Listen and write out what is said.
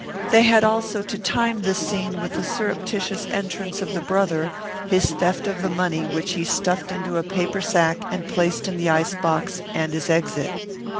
They had also to time this scene with the surreptitious entrance of the brother, his theft of the money which he stuffed into a paper sack and placed in the ice box, and his exit.